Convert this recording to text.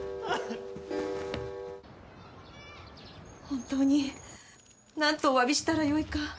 本当に何とおわびしたらよいか。